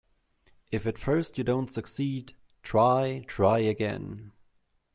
If at first you don't succeed, try, try again.